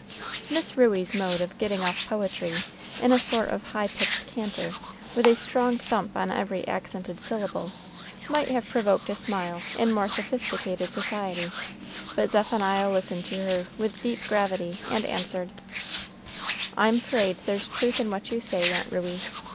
'" Miss Ruey's mode of getting off poetry, in a sort of high pitched canter, with a strong thump on every accented syllable, might have provoked a smile in more sophisticated society, but Zephaniah listened to her with deep gravity, and answered, "I'm 'fraid there's truth in what you say, Aunt Ruey.